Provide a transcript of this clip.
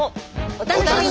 お楽しみに！